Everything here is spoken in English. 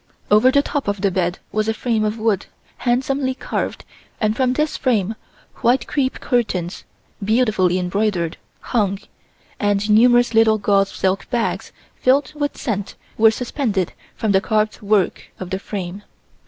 Over the top of the bed was a frame of wood handsomely carved and from this frame white crepe curtains, beautifully embroidered, hung, and numerous little gauze silk bags filled with scent were suspended from the carved work of the frame.